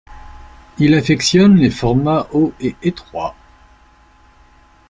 Il affectionne les formats hauts et étroits.